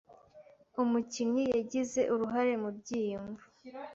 Umukinnyi yagize uruhare mubyiyumvo.